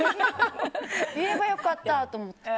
言えば良かった！と思って。